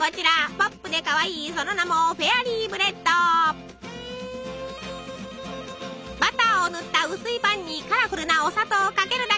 ポップでかわいいその名もバターを塗った薄いパンにカラフルなお砂糖をかけるだけ。